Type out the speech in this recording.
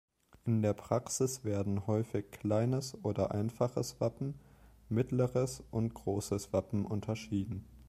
In der Praxis werden häufig kleines oder einfaches Wappen, mittleres und großes Wappen unterschieden.